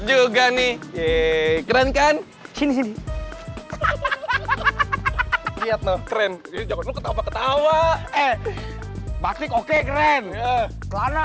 juga nih ye keren kan sini sini keren ketawa ketawa eh batik oke keren karena